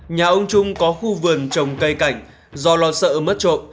nhà ông trung có khu vườn trồng cây cảnh do lo sợ mất trộm